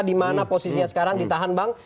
di mana posisinya sekarang ditahan bang